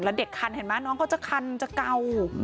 แล้วเด็กคันเห็นไหมน้องเขาจะคันจะเก่า